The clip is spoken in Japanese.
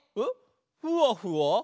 ふわふわ？